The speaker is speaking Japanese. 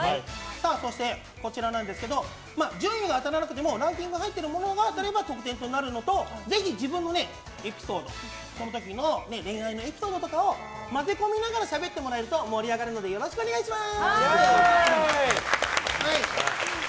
そして順位が当たらなくてもランキングに入っているものが当たれば得点となるのとぜひ自分の恋愛のエピソードを交ぜ込みながらしゃべってもらえると盛り上がるのでよろしくお願いします。